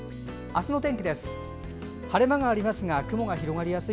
明日の天気です。